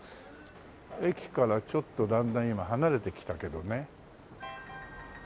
駅からちょっとだんだん今離れてきたけどね。